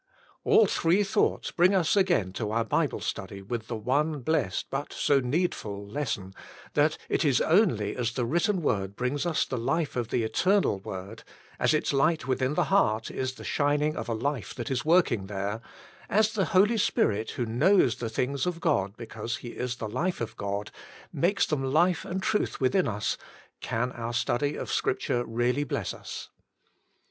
All three thoughts bring us again to our Bible study with the one blessed, but so needful lesson, that it is only as the written word brings us the life of the Eternal Word, as its light within the heart is the shining of a life that is working there, as the Holy Spirit who knows the things of God because He is the life of God, makes them life and truth within us, can our study of Scrip ture really bless us.